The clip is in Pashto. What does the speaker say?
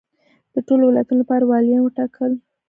د ټولو ولایتونو لپاره والیان وټاکل.